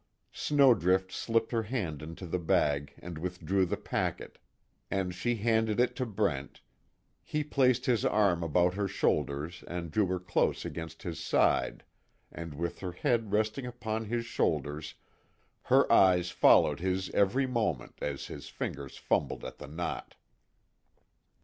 Snowdrift slipped her hand into the bag and withdrew the packet, and she handed it to Brent, he placed his arm about her shoulders and drew her close against his side, and with her head resting upon his shoulders, her eyes followed his every movement as his fingers fumbled at the knot.